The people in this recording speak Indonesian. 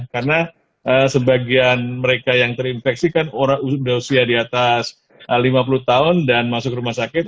karena sebagian mereka yang terinfeksi kan orang udah usia di atas lima puluh tahun dan masuk rumah sakit